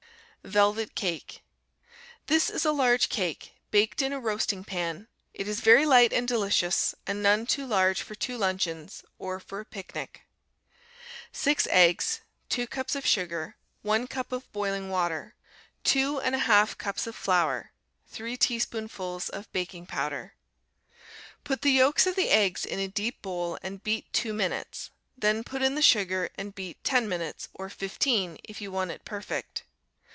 Velvet Cake This is a large cake, baked in a roasting pan; it is very light and delicious, and none too large for two luncheons, or for a picnic. 6 eggs. 2 cups of sugar. 1 cup of boiling water. 2 1/2 cups of flour. 3 teaspoonfuls of baking powder. Put the yolks of the eggs in a deep bowl and beat two minutes; then put in the sugar, and beat ten minutes, or fifteen, if you want it perfect.